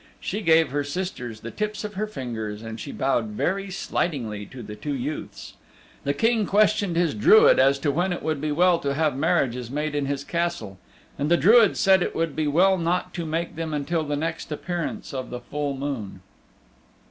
She gave her sisters the tips of her fingers and she bowed very slightingly to the two youths. The King questioned his druid as to when it would be well to have marriages made in his Castle and the druid said it would be well not to make them until the next appearance of the full moon.